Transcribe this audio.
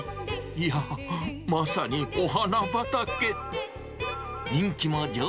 いやー、まさにお花畑。